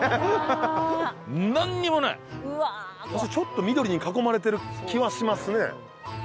ちょっと緑に囲まれてる気はしますね。